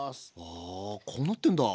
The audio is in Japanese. あこうなってんだ。